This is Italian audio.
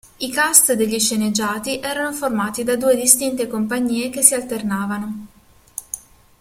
I cast degli sceneggiati erano formati da due distinte compagnie che si alternavano.